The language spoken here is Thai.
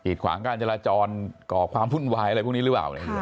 หิดขวางการจราจรก่อความพุนไหวอะไรพวกนี้รึเปล่าค่ะ